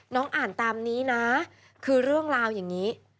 อ่านตามนี้นะคือเรื่องราวอย่างนี้